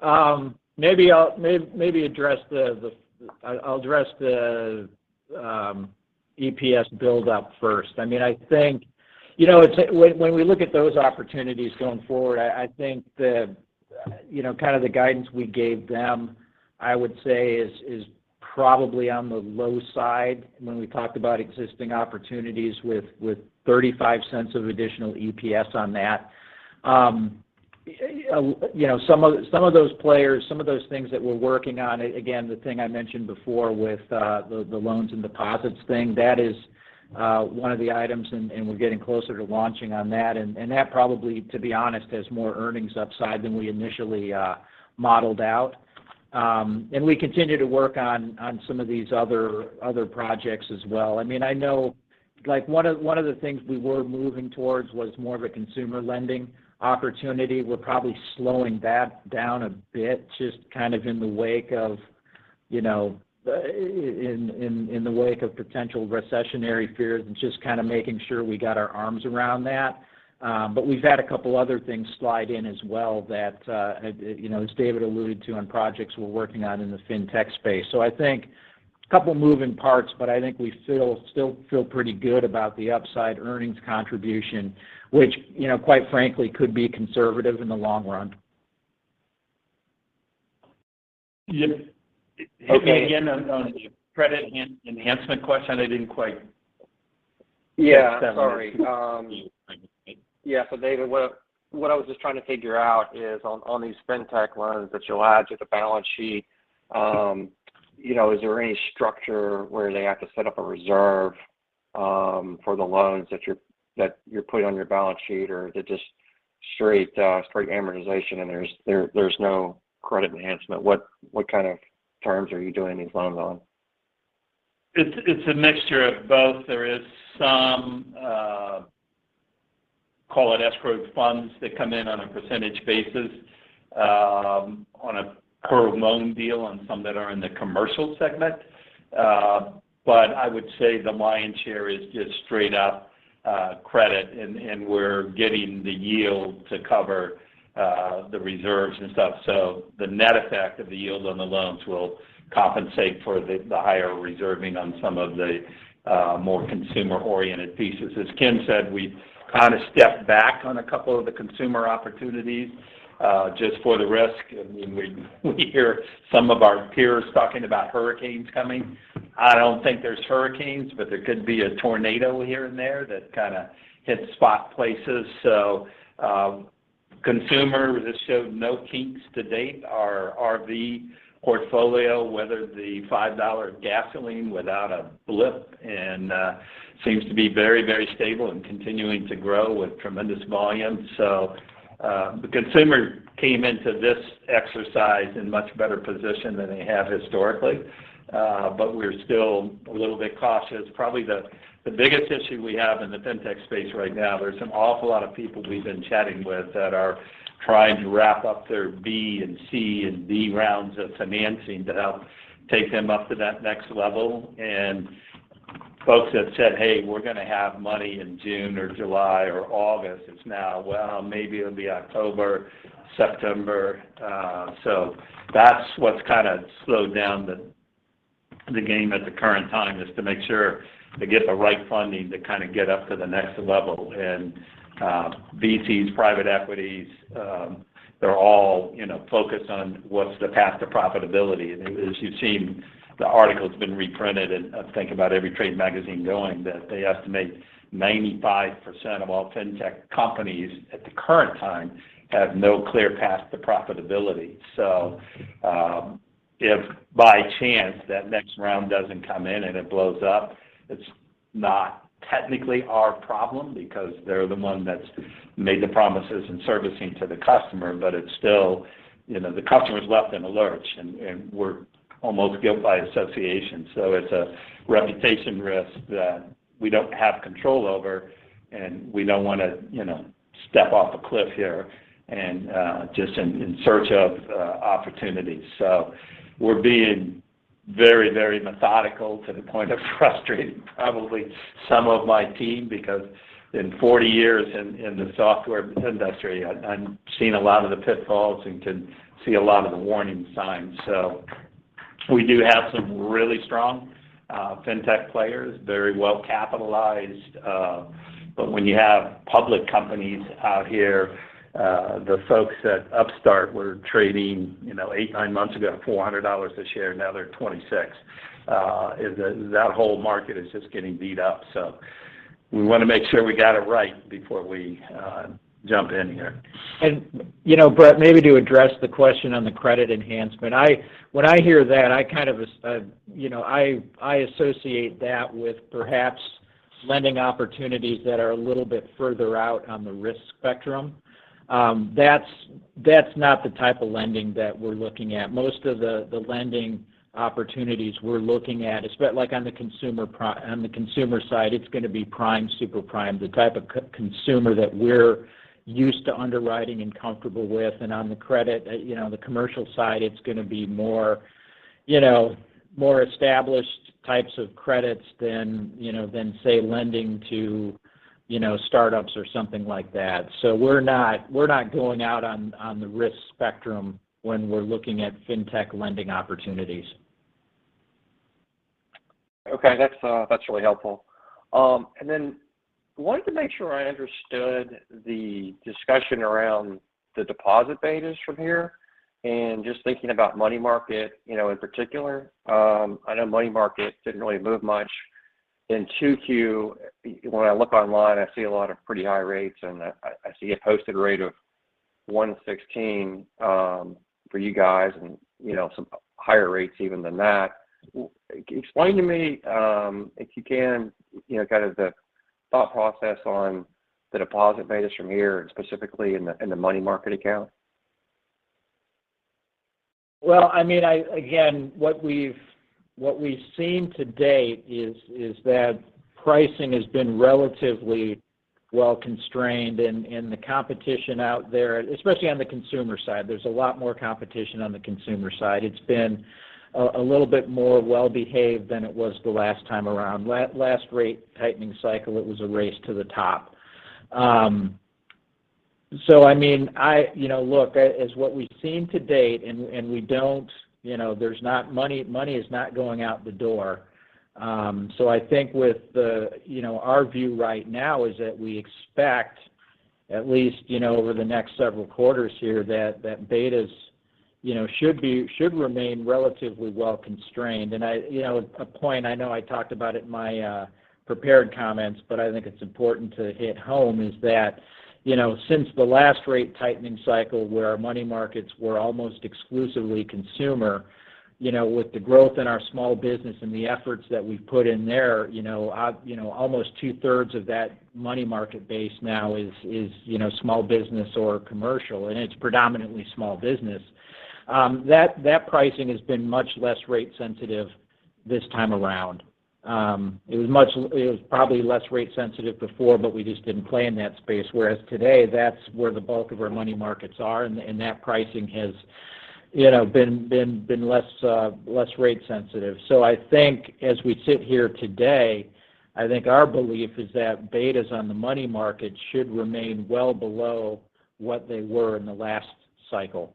I'll address the EPS build-up first. I mean, I think, you know, it's when we look at those opportunities going forward, I think that, you know, kind of the guidance we gave them, I would say is probably on the low side when we talked about existing opportunities with $0.35 of additional EPS on that. You know, some of those plays, some of those things that we're working on, again, the thing I mentioned before with the loans and deposits thing, that is one of the items, and we're getting closer to launching on that. That probably, to be honest, has more earnings upside than we initially modeled out. We continue to work on some of these other projects as well. I mean, I know, like one of the things we were moving towards was more of a consumer lending opportunity. We're probably slowing that down a bit, just kind of in the wake of, you know, potential recessionary fears and just kind of making sure we got our arms around that. But we've had a couple other things slide in as well that, you know, as David alluded to on projects we're working on in the Fintech space. I think a couple of moving parts, but I think we still feel pretty good about the upside earnings contribution, which, you know, quite frankly, could be conservative in the long run. Hit me again on the credit enhancement question. I didn't quite understand. Yeah, sorry. Yeah. David, what I was just trying to figure out is on these Fintech loans that you'll add to the balance sheet, you know, is there any structure where they have to set up a reserve for the loans that you're putting on your balance sheet or they're just straight amortization, and there's no credit enhancement? What kind of terms are you doing these loans on? It's a mixture of both. There is some call it escrow funds that come in on a percentage basis on a per loan deal on some that are in the commercial segment. But I would say the lion's share is just straight up credit, and we're getting the yield to cover the reserves and stuff. The net effect of the yield on the loans will compensate for the higher reserving on some of the more consumer-oriented pieces. As Ken said, we kind of stepped back on a couple of the consumer opportunities just for the risk. I mean, we hear some of our peers talking about hurricanes coming. I don't think there's hurricanes, but there could be a tornado here and there that kind of hits spot places. Consumer has showed no kinks to date. Our RV portfolio weathered the $5 gasoline without a blip, and seems to be very, very stable and continuing to grow with tremendous volume. The consumer came into this exercise in much better position than they have historically. We're still a little bit cautious. Probably the biggest issue we have in the Fintech space right now, there's an awful lot of people we've been chatting with that are trying to wrap up their B and C and D rounds of financing to help take them up to that next level. Folks that said, "Hey, we're going to have money in June or July or August," it's now, well, maybe it'll be October, September. That's what's kind of slowed down the game at the current time is to make sure they get the right funding to kind of get up to the next level. VCs, private equities, they're all, you know, focused on what's the path to profitability. As you've seen, the article's been reprinted in I think about every trade magazine going that they estimate 95% of all Fintech companies at the current time have no clear path to profitability. If by chance that next round doesn't come in and it blows up, it's not technically our problem because they're the one that's made the promises in servicing to the customer. It's still, you know, the customer's left in a lurch, and we're almost guilt by association. It's a reputation risk that we don't have control over, and we don't want to, you know, step off a cliff here and just in search of opportunities. We're being very, very methodical to the point of frustrating probably some of my team because in 40 years in the software industry, I've seen a lot of the pitfalls and can see a lot of the warning signs. We do have some really strong fintech players, very well capitalized. But when you have public companies out here, the folks at Upstart were trading, you know, eight to nine months ago, $400 a share, now they're 26. And that whole market is just getting beat up. We want to make sure we got it right before we jump in here. You know, Brett, maybe to address the question on the credit enhancement. When I hear that, I kind of associate that with perhaps lending opportunities that are a little bit further out on the risk spectrum. That's not the type of lending that we're looking at. Most of the lending opportunities we're looking at, like on the consumer side, it's gonna be prime, super prime, the type of consumer that we're used to underwriting and comfortable with. On the credit, you know, the commercial side, it's gonna be more established types of credits than, you know, than say, lending to startups or something like that. We're not going out on the risk spectrum when we're looking at fintech lending opportunities. Okay. That's really helpful. Wanted to make sure I understood the discussion around the deposit betas from here and just thinking about money market, you know, in particular. I know money market didn't really move much in 2Q. When I look online, I see a lot of pretty high rates, and I see a posted rate of 1.16 for you guys and, you know, some higher rates even than that. Explain to me, if you can, you know, kind of the thought process on the deposit betas from here and specifically in the money market account. I mean, again, what we've seen to date is that pricing has been relatively well constrained in the competition out there, especially on the consumer side. There's a lot more competition on the consumer side. It's been a little bit more well behaved than it was the last time around. Last rate tightening cycle, it was a race to the top. So I mean, you know, look, as what we've seen to date and we don't, you know, there's not money is not going out the door. So I think with the... You know, our view right now is that we expect at least, you know, over the next several quarters here, that betas, you know, should remain relatively well constrained. I, you know, a point I know I talked about it in my prepared comments, but I think it's important to hit home, is that, you know, since the last rate tightening cycle where our money markets were almost exclusively consumer, you know, with the growth in our small business and the efforts that we've put in there, you know, almost two-thirds of that money market base now is small business or commercial, and it's predominantly small business. That pricing has been much less rate sensitive this time around. It was probably less rate sensitive before, but we just didn't play in that space, whereas today, that's where the bulk of our money markets are, and that pricing has, you know, been less rate sensitive. I think as we sit here today, I think our belief is that betas on the money market should remain well below what they were in the last cycle.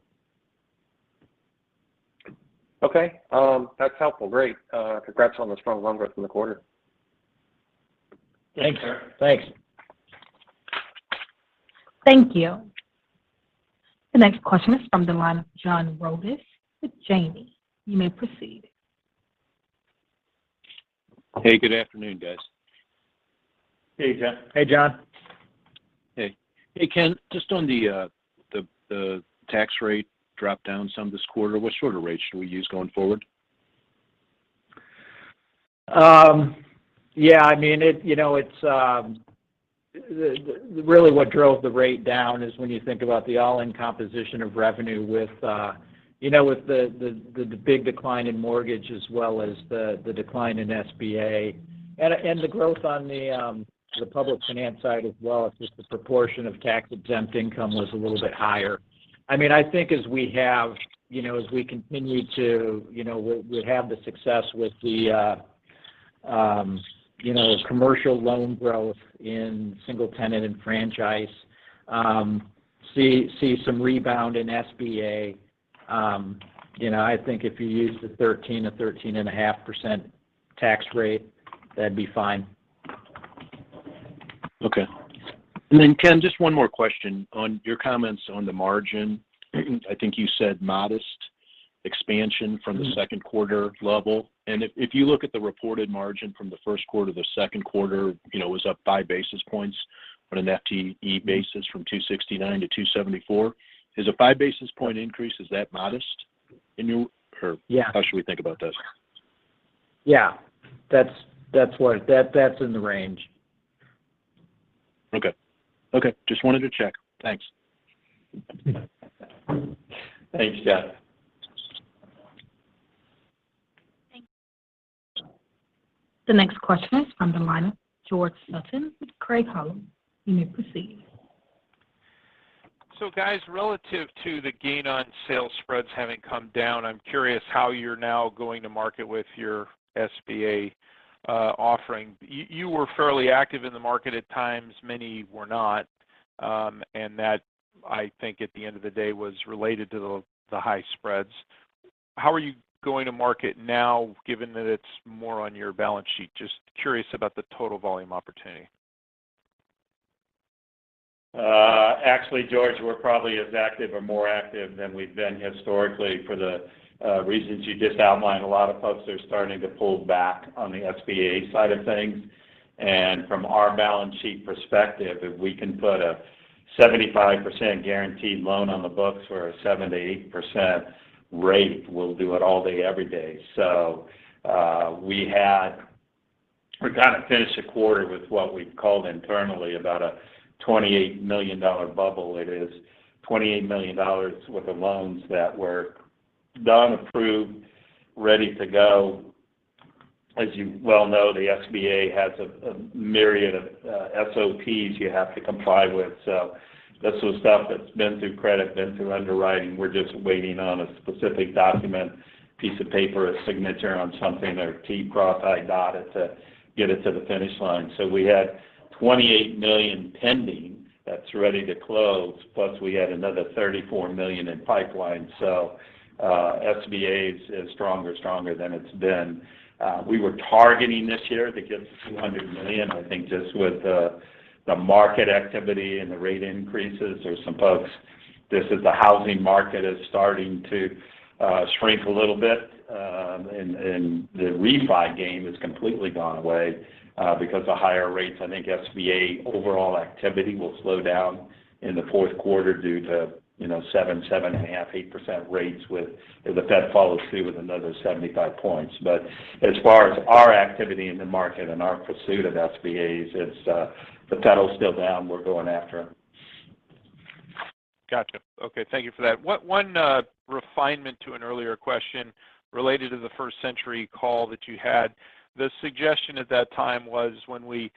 Okay. That's helpful. Great. Congrats on the strong loan growth in the quarter. Thanks. Sure. Thanks. Thank you. The next question is from the line of John Rodis with Janney. You may proceed. Hey, good afternoon, guys. Hey, John. Hey, John. Hey. Hey, Ken, just on the tax rate dropped down some this quarter, what sort of rate should we use going forward? Yeah, I mean, it, you know, it's really what drove the rate down is when you think about the all-in composition of revenue with, you know, with the big decline in mortgage as well as the decline in SBA. The growth on the public finance side as well, it's just the proportion of tax-exempt income was a little bit higher. I mean, I think as we have, you know, as we continue to, you know, we have the success with the, you know, commercial loan growth in single tenant and franchise, see some rebound in SBA. You know, I think if you use the 13%-13.5% tax rate, that'd be fine. Okay. Ken, just one more question. On your comments on the margin, I think you said modest expansion from the second quarter level. If you look at the reported margin from the first quarter, the second quarter, you know, was up five basis points on an FTE basis from 269 to 274. Is a five basis point increase that modest in your Yeah. How should we think about this? Yeah. That's what that's in the range. Okay. Okay, just wanted to check. Thanks. Thanks, John. Thank you. The next question is from the line of George Sutton with Craig-Hallum. You may proceed. Guys, relative to the gain on sales spreads having come down, I'm curious how you're now going to market with your SBA offering. You were fairly active in the market at times, many were not. That, I think at the end of the day, was related to the high spreads. How are you going to market now, given that it's more on your balance sheet? Just curious about the total volume opportunity. Actually, George, we're probably as active or more active than we've been historically for the reasons you just outlined. A lot of folks are starting to pull back on the SBA side of things. From our balance sheet perspective, if we can put a 75% guaranteed loan on the books for a 7%-8% rate, we'll do it all day, every day. We kinda finished the quarter with what we've called internally about a $28 million bubble. It is $28 million worth of loans that were done, approved, ready to go. As you well know, the SBA has a myriad of SOPs you have to comply with. That's the stuff that's been through credit, been through underwriting. We're just waiting on a specific document, piece of paper, a signature on something, or t's to cross, i's to dot to get it to the finish line. We had $28 million pending that's ready to close, plus we had another $34 million in pipeline. SBA is stronger than it's been. We were targeting this year to get to $200 million. I think just with the market activity and the rate increases, there's some folks. This, the housing market, is starting to shrink a little bit, and the refi game has completely gone away because of higher rates. I think SBA overall activity will slow down in the fourth quarter due to you know, 7.5, 8% rates if the Fed follows through with another 75 points. As far as our activity in the market and our pursuit of SBAs, it's the pedal's still down. We're going after 'em. Gotcha. Okay. Thank you for that. One refinement to an earlier question related to the First Century call that you had. The suggestion at that time was when we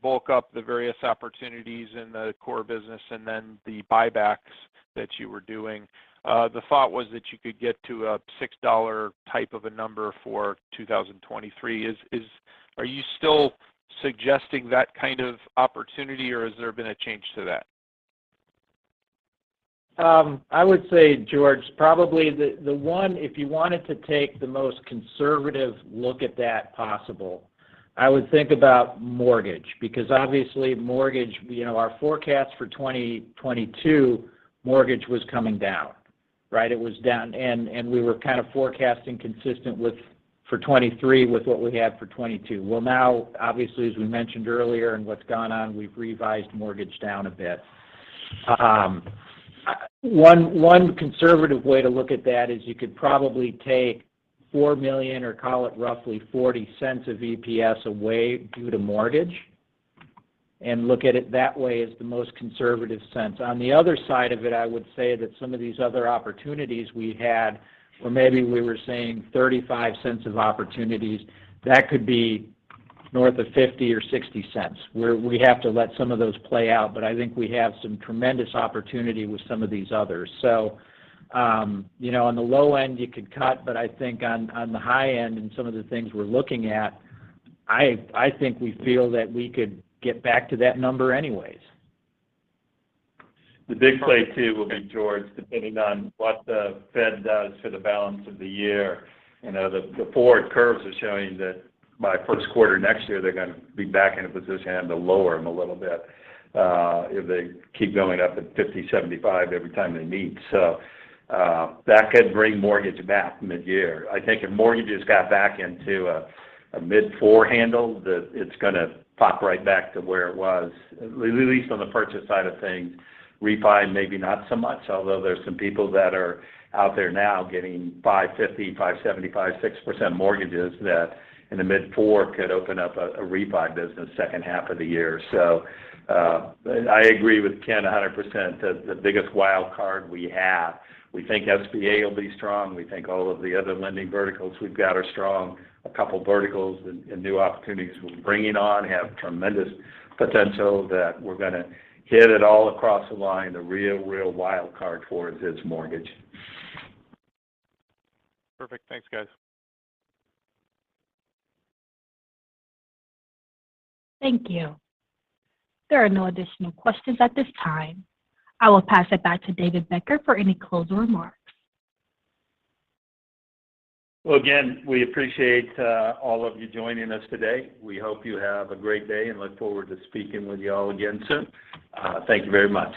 bulk up the various opportunities in the core business and then the buybacks that you were doing, the thought was that you could get to a $6 type of a number for 2023. Are you still suggesting that kind of opportunity, or has there been a change to that? I would say, George, probably the one. If you wanted to take the most conservative look at that possible, I would think about mortgage. Because obviously, mortgage, you know, our forecast for 2022, mortgage was coming down, right? It was down. We were kind of forecasting consistent with for 2023 with what we had for 2022. Well, now, obviously, as we mentioned earlier and what's gone on, we've revised mortgage down a bit. One conservative way to look at that is you could probably take $4 million or call it roughly $0.40 of EPS away due to mortgage, and look at it that way as the most conservative sense. On the other side of it, I would say that some of these other opportunities we had, where maybe we were saying $0.35 of opportunities, that could be north of $0.50 or $0.60, where we have to let some of those play out. I think we have some tremendous opportunity with some of these others. You know, on the low end, you could cut. I think on the high end and some of the things we're looking at, I think we feel that we could get back to that number anyways. The big play, too, will be George, depending on what the Fed does for the balance of the year. You know, the forward curves are showing that by first quarter next year, they're gonna be back in a position to have to lower them a little bit, if they keep going up at 50, 75 every time they meet. That could bring mortgage back mid-year. I think if mortgages got back into a mid-four handle, that it's gonna pop right back to where it was, at least on the purchase side of things. Refi, maybe not so much, although there are some people that are out there now getting 5.50, 5.75, 6% mortgages that in the mid-four could open up a refi business second half of the year. I agree with Ken 100%. The biggest wild card we have, we think SBA will be strong. We think all of the other lending verticals we've got are strong. A couple verticals and new opportunities we're bringing on have tremendous potential that we're gonna hit it all across the line. The real wild card for us is mortgage. Perfect. Thanks, guys. Thank you. There are no additional questions at this time. I will pass it back to David Becker for any closing remarks. Well, again, we appreciate all of you joining us today. We hope you have a great day and look forward to speaking with you all again soon. Thank you very much.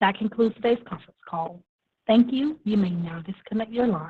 That concludes today's conference call. Thank you. You may now disconnect your line.